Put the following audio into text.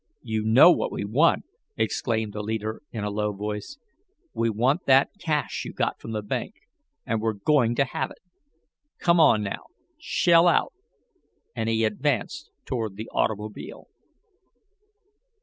"You know what we want," exclaimed the leader, in a low voice. "We want that cash you got from the bank, and we're going to have it! Come, now, shell out!" and he advanced toward the automobile.